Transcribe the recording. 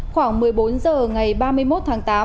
khoảng một mươi bốn h ngày ba mươi một tháng tám